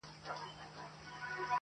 او پړه پټه ساتل غواړي